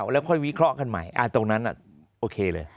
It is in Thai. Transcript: แล้วค่อยวิเคราะห์กันใหม่ตรงนั้นโอเคเลย